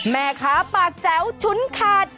แม่ค้าปากแจ๋วฉุนขาด